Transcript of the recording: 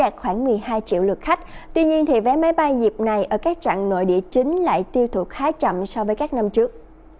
tuy nhiên vé máy bay dịp này ở các trạng nội địa chính lại tiêu thụ khá chậm so với các năm trước